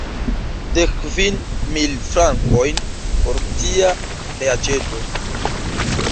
Dek kvin mil frankojn por cia reaĉeto.